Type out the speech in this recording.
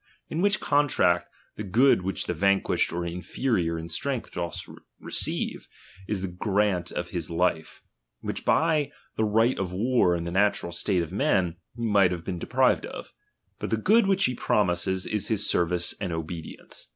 In "Vvliich contract, the good which the vanquished or ^iiferior in strength doth receive, is the grant of his life, which hy the right of war in the natural state <^f men he might have been deprived of ; hut the ^ood which he promises, is his service and obe *lience.